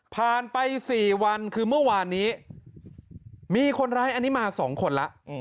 ผ่านไปสี่วันคือเมื่อวานนี้มีคนร้ายอันนี้มาสองคนละ